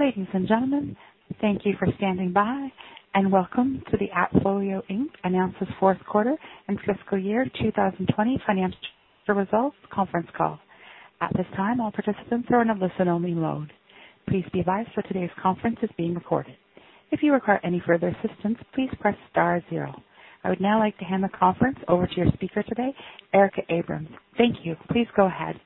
Ladies and gentlemen, thank you for standing by, and welcome to the AppFolio, Inc. Announces Fourth Quarter and Fiscal Year 2020 Financial Results Conference Call. At this time, all participants are on a listen-only mode. Please be advised that today's conference is being recorded. If you require any further assistance, please press star zero. I would now like to hand the conference over to your speaker today, Erica Abrams. Thank you. Please go ahead.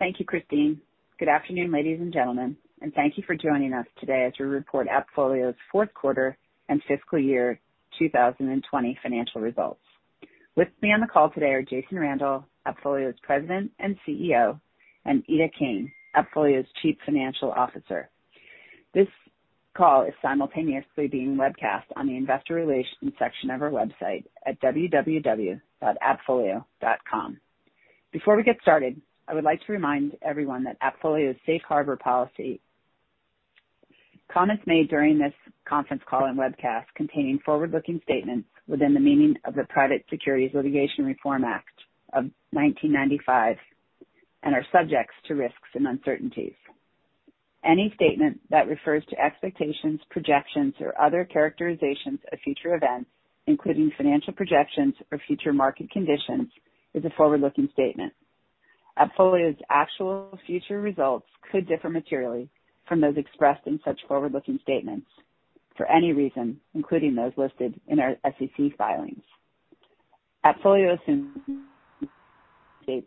Thank you, Christine. Good afternoon, ladies and gentlemen, and thank you for joining us today as we report AppFolio's Fourth Quarter and Fiscal Year 2020 Financial Results. With me on the call today are Jason Randall, AppFolio's President and CEO, and Ida Kane, AppFolio's Chief Financial Officer. This call is simultaneously being webcast on the Investor Relations section of our website at www.appfolio.com. Before we get started, I would like to remind everyone that AppFolio's Safe Harbor Policy comments made during this conference call and webcast contain forward-looking statements within the meaning of the Private Securities Litigation Reform Act of 1995 and are subject to risks and uncertainties. Any statement that refers to expectations, projections, or other characterizations of future events, including financial projections or future market conditions, is a forward-looking statement. AppFolio's actual future results could differ materially from those expressed in such forward-looking statements for any reason, including those listed in our SEC filings. AppFolio assumes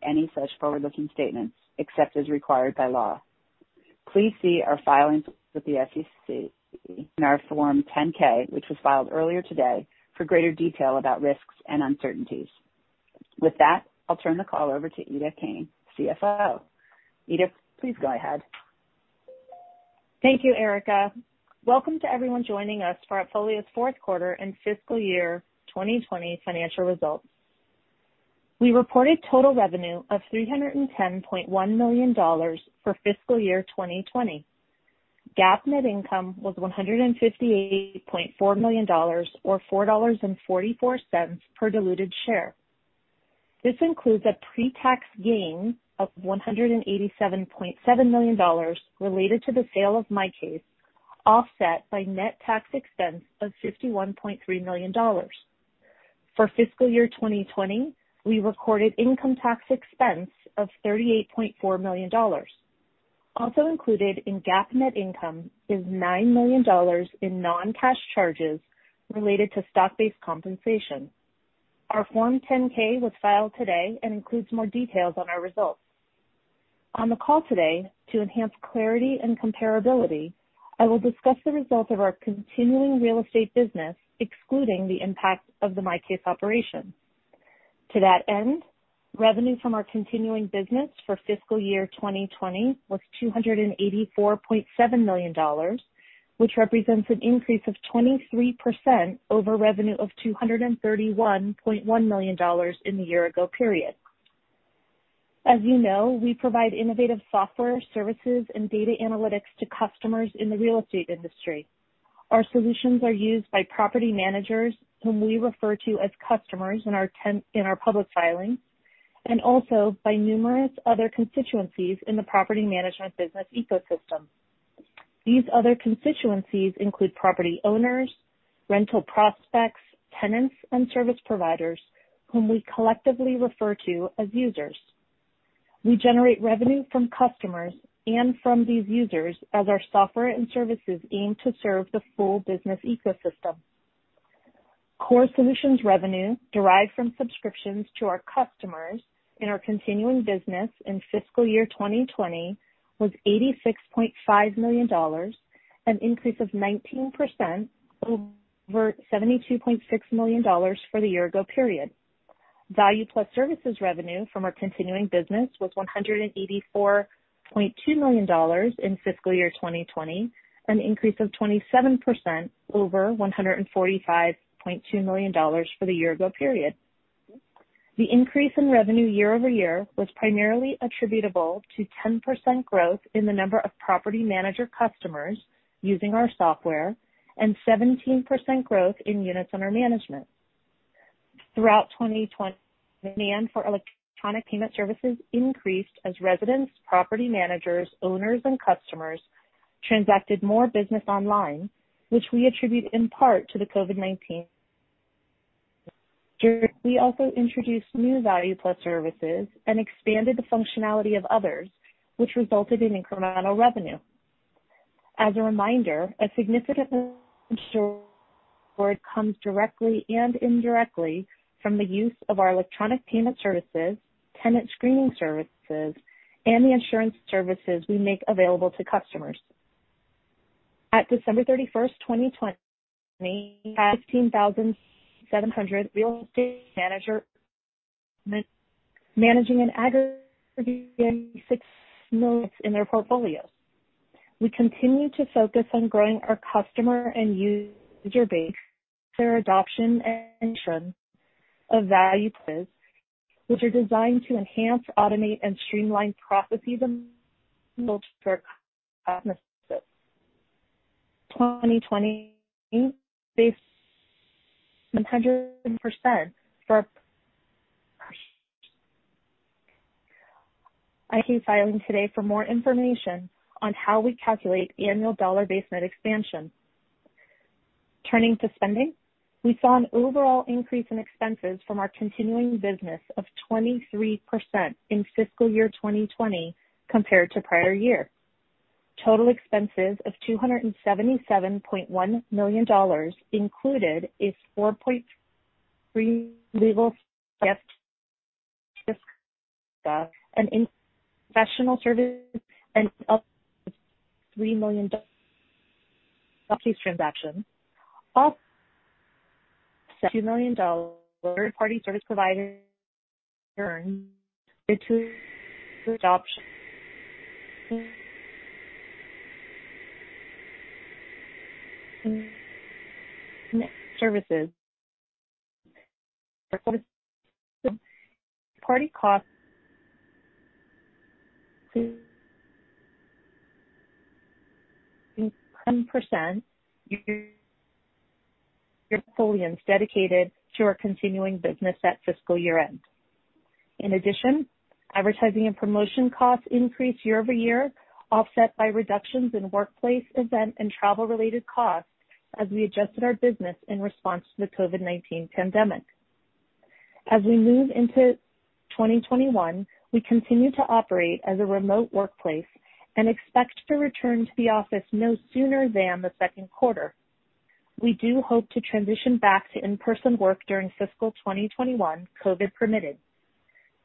any such forward-looking statements except as required by law. Please see our filings with the SEC in our Form 10-K, which was filed earlier today, for greater detail about risks and uncertainties. With that, I'll turn the call over to Ida Kane, CFO. Ida, please go ahead. Thank you, Erica. Welcome to everyone joining us for AppFolio's Fourth Quarter and Fiscal Year 2020 Financial Results. We reported total revenue of $310.1 million for fiscal year 2020. GAAP net income was $158.4 million, or $4.44 per diluted share. This includes a pre-tax gain of $187.7 million related to the sale of MyCase, offset by net tax expense of $51.3 million. For fiscal year 2020, we recorded income tax expense of $38.4 million. Also included in GAAP net income is $9 million in non-cash charges related to stock-based compensation. Our Form 10-K was filed today and includes more details on our results. On the call today, to enhance clarity and comparability, I will discuss the results of our continuing real estate business, excluding the impact of the MyCase operation. To that end, revenue from our continuing business for fiscal year 2020 was $284.7 million, which represents an increase of 23% over revenue of $231.1 million in the year-ago period. As you know, we provide innovative software services and data analytics to customers in the real estate industry. Our solutions are used by property managers, whom we refer to as customers in our public filings, and also by numerous other constituencies in the property management business ecosystem. These other constituencies include property owners, rental prospects, tenants, and service providers, whom we collectively refer to as users. We generate revenue from customers and from these users as our software and services aim to serve the full business ecosystem. Core Solutions revenue derived from subscriptions to our customers in our continuing business in fiscal year 2020 was $86.5 million, an increase of 19% over $72.6 million for the year-ago period. Value+ services revenue from our continuing business was $184.2 million in fiscal year 2020, an increase of 27% over $145.2 million for the year-ago period. The increase in revenue year-over-year was primarily attributable to 10% growth in the number of property manager customers using our software and 17% growth in units under management. Throughout 2020, demand for electronic payment services increased as residents, property managers, owners, and customers transacted more business online, which we attribute in part to the COVID-19 pandemic. We also introduced new Value+ services and expanded the functionality of others, which resulted in incremental revenue. As a reminder, a significant share comes directly and indirectly from the use of our electronic payment services, tenant screening services, and the insurance services we make available to customers. At December 31, 2020, we had 15,700 real estate managers managing an aggregate of 6 million units in their portfolios. We continue to focus on growing our customer and user base through adoption and insurance of Value+ services, which are designed to enhance, automate, and streamline processes and build for our customers. In 2020, we increased 100% for our 10-K filing today for more information on how we calculate annual dollar-based net expansion. Turning to spending, we saw an overall increase in expenses from our continuing business of 23% in fiscal year 2020 compared to prior year. Total expenses of $277.1 million included a $4.3 million legal fee and professional services and $3 million MyCase transaction cost, all $2 million third-party service providers earned due to adoption services. Third-party costs 10% year-ago were fully and dedicated to our continuing business at fiscal year-end. In addition, advertising and promotion costs increased year-over-year, offset by reductions in workplace event and travel-related costs as we adjusted our business in response to the COVID-19 pandemic. As we move into 2021, we continue to operate as a remote workplace and expect to return to the office no sooner than the second quarter. We do hope to transition back to in-person work during fiscal 2021, COVID permitted.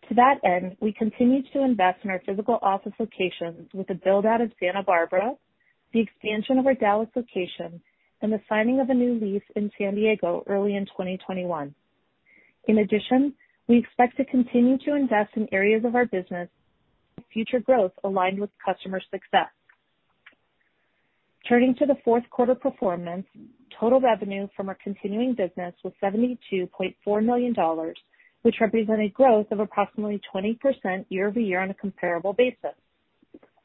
To that end, we continue to invest in our physical office locations with a build-out of Santa Barbara, the expansion of our Dallas location, and the signing of a new lease in San Diego early in 2021. In addition, we expect to continue to invest in areas of our business for future growth aligned with customer success. Turning to the fourth quarter performance, total revenue from our continuing business was $72.4 million, which represented growth of approximately 20% year-over-year on a comparable basis.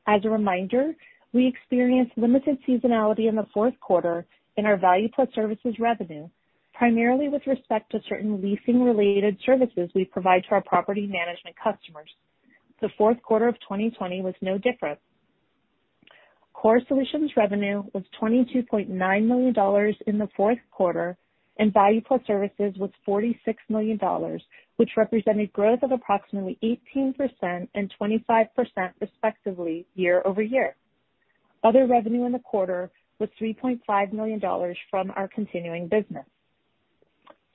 As a reminder, we experienced limited seasonality in the fourth quarter in our Value+ services revenue, primarily with respect to certain leasing-related services we provide to our property management customers. The fourth quarter of 2020 was no different. Core Solutions revenue was $22.9 million in the fourth quarter, and Value+ services was $46 million, which represented growth of approximately 18% and 25% respectively year-over-year. Other revenue in the quarter was $3.5 million from our continuing business.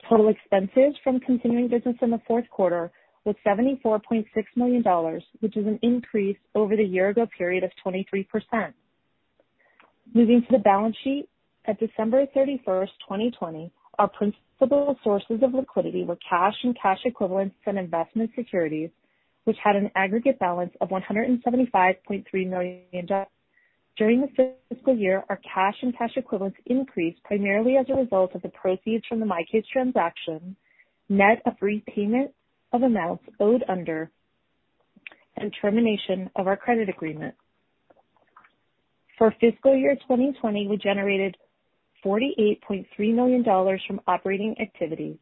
Total expenses from continuing business in the fourth quarter was $74.6 million, which is an increase over the year-ago period of 23%. Moving to the balance sheet, at December 31st, 2020, our principal sources of liquidity were cash and cash equivalents and investment securities, which had an aggregate balance of $175.3 million. During the fiscal year, our cash and cash equivalents increased primarily as a result of the proceeds from the MyCase transaction, net of repayment of amounts owed under, and termination of our credit agreement. For fiscal year 2020, we generated $48.3 million from operating activities.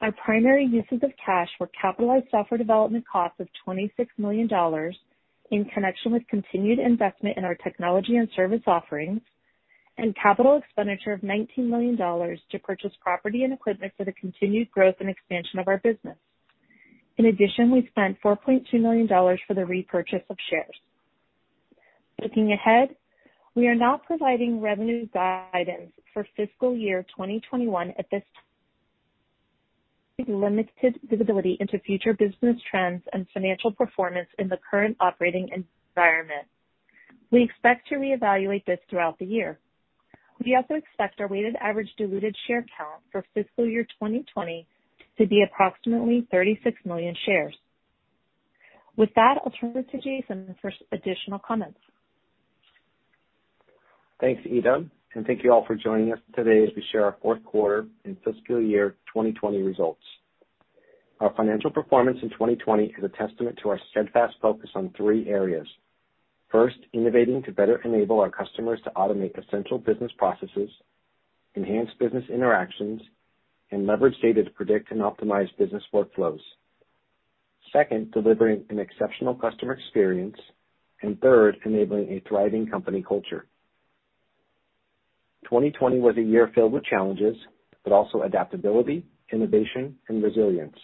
Our primary uses of cash were capitalized software development costs of $26 million in connection with continued investment in our technology and service offerings, and capital expenditure of $19 million to purchase property and equipment for the continued growth and expansion of our business. In addition, we spent $4.2 million for the repurchase of shares. Looking ahead, we are not providing revenue guidance for fiscal year 2021 at this time. We have limited visibility into future business trends and financial performance in the current operating environment. We expect to reevaluate this throughout the year. We also expect our weighted average diluted share count for fiscal year 2020 to be approximately 36 million shares. With that, I'll turn to Jason for additional comments. Thanks, Ida, and thank you all for joining us today as we share our fourth quarter and fiscal year 2020 results. Our financial performance in 2020 is a testament to our steadfast focus on three areas. First, innovating to better enable our customers to automate essential business processes, enhance business interactions, and leverage data to predict and optimize business workflows. Second, delivering an exceptional customer experience. Third, enabling a thriving company culture. 2020 was a year filled with challenges, but also adaptability, innovation, and resilience.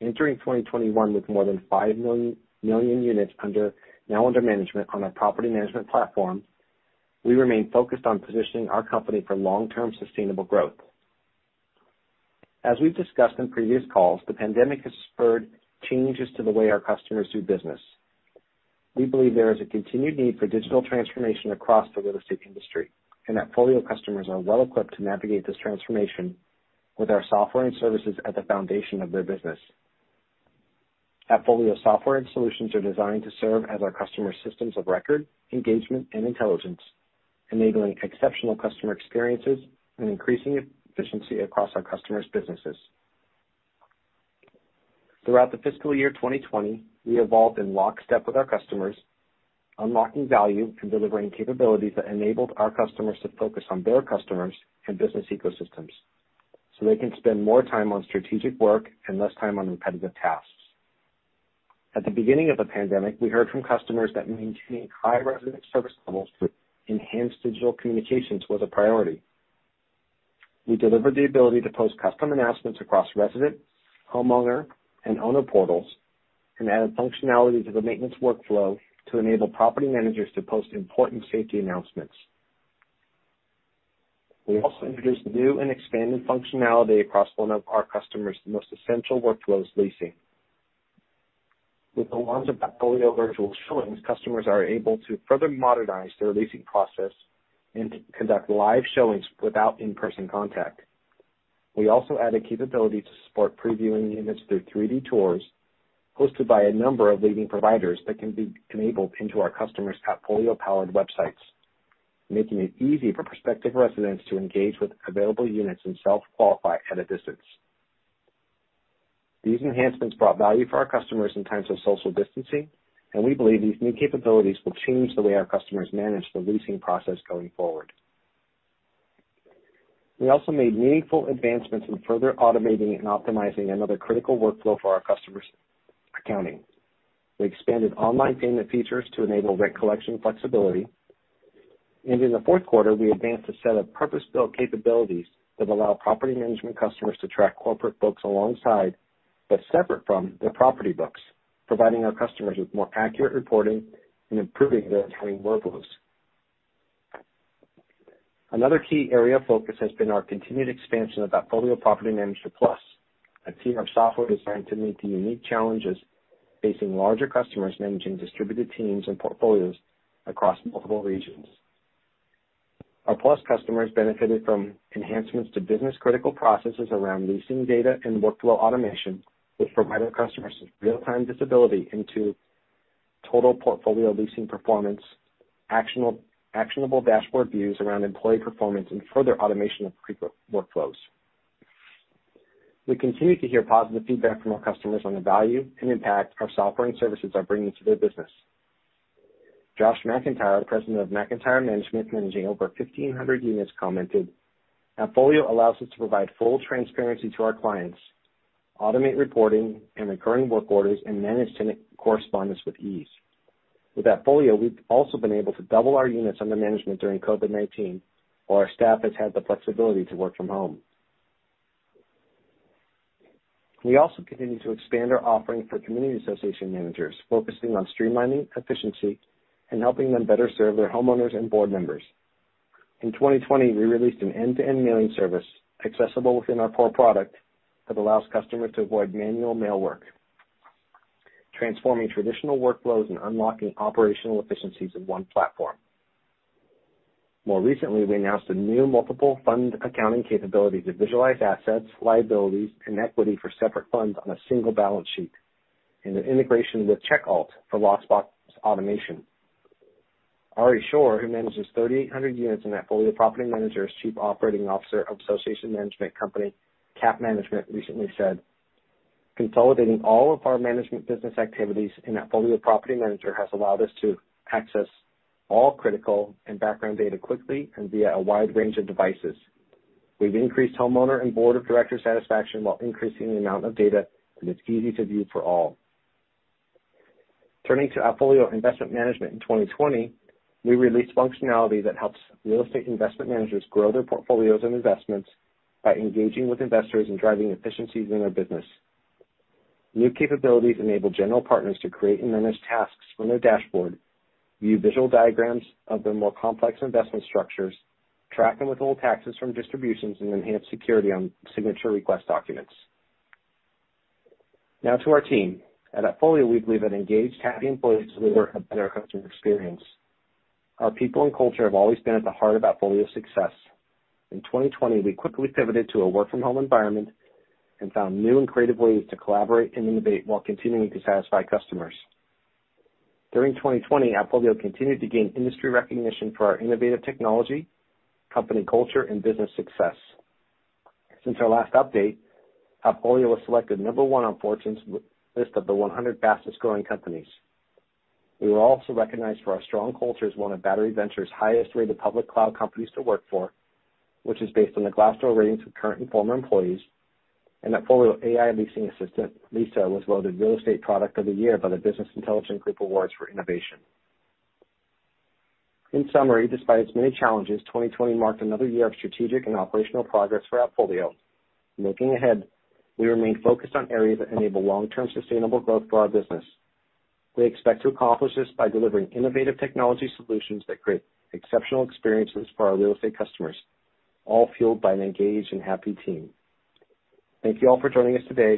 Entering 2021 with more than 5 million units now under management on our property management platform, we remain focused on positioning our company for long-term sustainable growth. As we've discussed in previous calls, the pandemic has spurred changes to the way our customers do business. We believe there is a continued need for digital transformation across the real estate industry, and AppFolio customers are well equipped to navigate this transformation with our software and services at the foundation of their business. AppFolio software and solutions are designed to serve as our customer systems of record, engagement, and intelligence, enabling exceptional customer experiences and increasing efficiency across our customers' businesses. Throughout the fiscal year 2020, we evolved in lockstep with our customers, unlocking value and delivering capabilities that enabled our customers to focus on their customers and business ecosystems so they can spend more time on strategic work and less time on repetitive tasks. At the beginning of the pandemic, we heard from customers that maintaining high resident service levels through enhanced digital communications was a priority. We delivered the ability to post custom announcements across resident, homeowner, and owner portals and added functionality to the maintenance workflow to enable property managers to post important safety announcements. We also introduced new and expanded functionality across one of our customers' most essential workflows, leasing. With the launch of AppFolio Virtual Showings, customers are able to further modernize their leasing process and conduct live showings without in-person contact. We also added capability to support previewing units through 3D tours hosted by a number of leading providers that can be enabled into our customers' AppFolio-powered websites, making it easy for prospective residents to engage with available units and self-qualify at a distance. These enhancements brought value for our customers in times of social distancing, and we believe these new capabilities will change the way our customers manage the leasing process going forward. We also made meaningful advancements in further automating and optimizing another critical workflow for our customers' accounting. We expanded online payment features to enable rent collection flexibility. In the fourth quarter, we advanced a set of purpose-built capabilities that allow property management customers to track corporate books alongside but separate from their property books, providing our customers with more accurate reporting and improving their accounting workflows. Another key area of focus has been our continued expansion of AppFolio Property Manager Plus, a tier of software designed to meet the unique challenges facing larger customers managing distributed teams and portfolios across multiple regions. Our Plus customers benefited from enhancements to business-critical processes around leasing data and workflow automation, which provided customers with real-time visibility into total portfolio leasing performance, actionable dashboard views around employee performance, and further automation of workflows. We continue to hear positive feedback from our customers on the value and impact our software and services are bringing to their business. Josh McIntyre, President of McIntyre Management, managing over 1,500 units, commented, "AppFolio allows us to provide full transparency to our clients, automate reporting and recurring work orders, and manage tenant correspondence with ease." With AppFolio, we've also been able to double our units under management during COVID-19, while our staff has had the flexibility to work from home. We also continue to expand our offering for community association managers, focusing on streamlining efficiency and helping them better serve their homeowners and board members. In 2020, we released an end-to-end mailing service accessible within our core product that allows customers to avoid manual mail work, transforming traditional workflows and unlocking operational efficiencies in one platform. More recently, we announced a new multiple fund accounting capability to visualize assets, liabilities, and equity for separate funds on a single balance sheet in integration with CheckAlt for lockbox automation. Ari Shore, who manages 3,800 units in AppFolio Property Manager as Chief Operating Officer of association management company CAP Management, recently said, "Consolidating all of our management business activities in AppFolio Property Manager has allowed us to access all critical and background data quickly and via a wide range of devices. We've increased homeowner and board of director satisfaction while increasing the amount of data that is easy to view for all." Turning to AppFolio Investment Management in 2020, we released functionality that helps real estate investment managers grow their portfolios and investments by engaging with investors and driving efficiencies in their business. New capabilities enable general partners to create and manage tasks from their dashboard, view visual diagrams of their more complex investment structures, track and withhold taxes from distributions, and enhance security on signature request documents. Now to our team. At AppFolio, we believe that engaged, happy employees deliver a better customer experience. Our people and culture have always been at the heart of AppFolio's success. In 2020, we quickly pivoted to a work-from-home environment and found new and creative ways to collaborate and innovate while continuing to satisfy customers. During 2020, AppFolio continued to gain industry recognition for our innovative technology, company culture, and business success. Since our last update, AppFolio was selected number one on Fortune's list of the 100 Fastest-Growing Companies. We were also recognized for our strong culture as one of Battery Ventures' Highest-Rated Public Cloud Companies To Work For, which is based on the Glassdoor ratings of current and former employees, and AppFolio AI Leasing Assistant Lisa was voted Real Estate Product of the Year by the Business Intelligence Group Awards for Innovation. In summary, despite its many challenges, 2020 marked another year of strategic and operational progress for AppFolio. Looking ahead, we remain focused on areas that enable long-term sustainable growth for our business. We expect to accomplish this by delivering innovative technology solutions that create exceptional experiences for our real estate customers, all fueled by an engaged and happy team. Thank you all for joining us today.